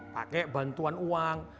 pakai bantuan uang